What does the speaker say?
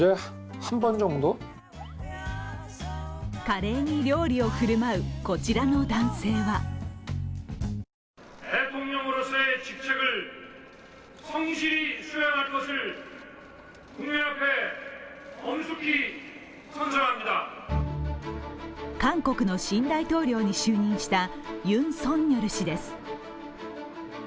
華麗に料理を振る舞う、こちらの男性は韓国の新大統領に就任したユン・ソンニョル氏です。